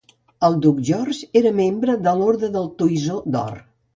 El duc George era membre de l'Orde del Toisó d'Or.